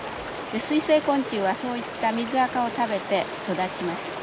水生昆虫はそういった水アカを食べて育ちます。